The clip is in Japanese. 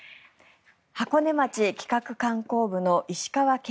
箱根町企画観光部の石川憲